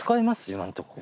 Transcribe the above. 今んとこ。